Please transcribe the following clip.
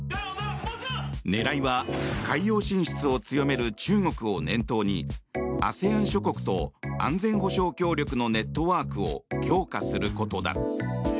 狙いは海洋進出を強める中国を念頭にＡＳＥＡＮ諸国と安全保障協力のネットワークを強化することだ。